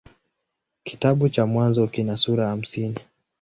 Kitabu cha Mwanzo kina sura hamsini.